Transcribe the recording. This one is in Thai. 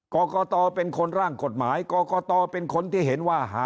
กรกตเป็นคนร่างกฎหมายกรกตเป็นคนที่เห็นว่าหา